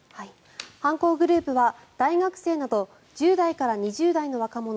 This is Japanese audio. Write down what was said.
犯行グループは大学生など１０代から２０代の若者